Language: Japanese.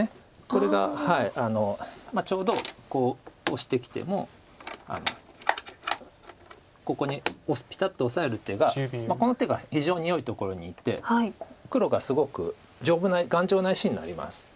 これがちょうどオシてきてもここにピタッとオサえる手がこの手が非常によいところにいて黒がすごく丈夫な頑丈な石になります。